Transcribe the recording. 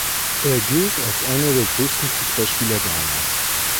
Er gilt als einer der größten Fußballspieler Ghanas.